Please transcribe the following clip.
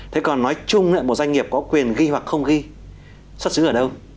thế còn nói chung là một doanh nghiệp có quyền ghi hoặc không ghi xuất xứ ở đâu